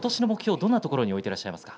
どんなところに置いていらっしゃいますか？